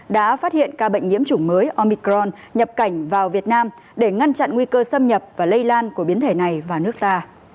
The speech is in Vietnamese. đã phát hiện ca bệnh nhiễm chủng mới omicron nhập cảnh vào việt nam để ngăn chặn nguy cơ xâm nhập và lây lan của biến thể này vào nước ta